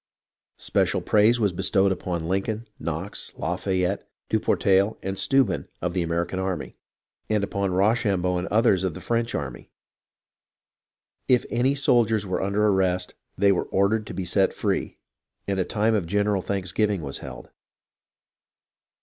Special praise was bestowed upon Lincoln, Knox, Lafayette, du Portail, and Steuben of the American army, and upon Rochambeau and others of the French army. If any soldiers were under arrest, they were ordered to be set free, and a time of general thanksgiving was held.